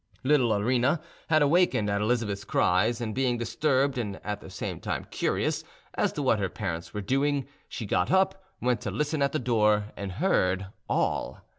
Little Arina had awakened at Elizabeth's cries, and being disturbed and at the same time curious as to what her parents were doing, she got up, went to listen at the door, and heard all.